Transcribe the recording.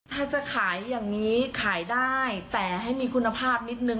ถ้าจะขายอย่างนี้ขายได้แต่ให้มีคุณภาพนิดนึง